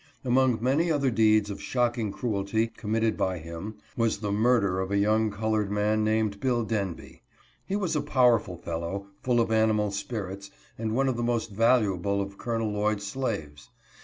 Among many other deeds of shocking cruelty committed by him was the murder of a BILL denby's murder. 77 young colored man named Bill Denby. He was a power ful fellow, full of animal spirits, and one of the most val uable of Col. Lloyd's slaves.